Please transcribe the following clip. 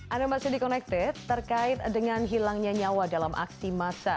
anda masih di connected terkait dengan hilangnya nyawa dalam aksi masa